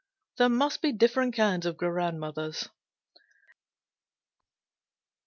There must be different kinds of grandmothers."